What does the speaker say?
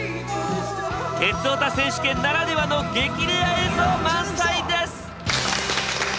「鉄オタ選手権」ならではの激レア映像満載です！